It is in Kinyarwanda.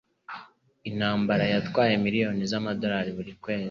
Intambara yatwaye miliyoni z'amadolari buri kwezi